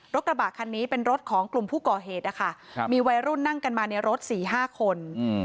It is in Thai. กระบะคันนี้เป็นรถของกลุ่มผู้ก่อเหตุนะคะมีวัยรุ่นนั่งกันมาในรถ๔๕คน